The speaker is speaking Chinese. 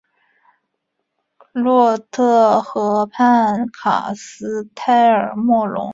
洛特河畔卡斯泰尔莫龙。